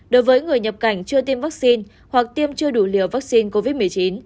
đối với người nhập cảnh chưa tiêm vaccine hoặc tiêm chưa đủ liều vaccine covid một mươi chín